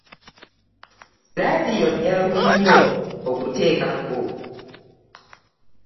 Laadiyo nnyangu nnyo okuteekako.